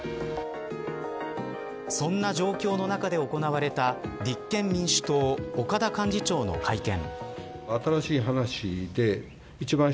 そんな状況の中で行われた立憲民主党岡田幹事長の会見。